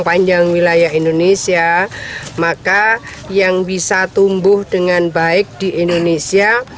sepanjang wilayah indonesia maka yang bisa tumbuh dengan baik di indonesia